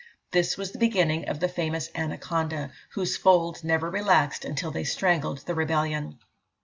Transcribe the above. This was the beginning of the famous Anaconda, whose folds never relaxed until they strangled the rebellion.